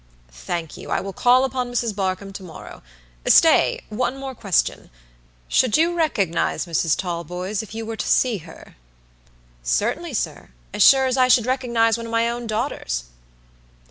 "Thank you, I will call upon Mrs. Barkamb to morrow. Stayone more question. Should you recognize Mrs. Talboys if you were to see her?" "Certainly, sir. As sure as I should recognize one of my own daughters."